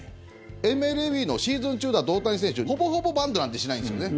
ＭＬＢのシーズン中だと大谷選手、ほぼほぼバントなんてしないんですよね。